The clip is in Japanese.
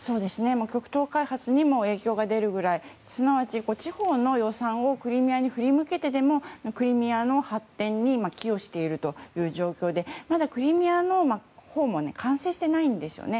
極東開発にも影響が出るくらいすなわち地方の予算をクリミアに振り向けてでもクリミアの発展に寄与しているという状況でまだクリミアほうも完成していないんですね。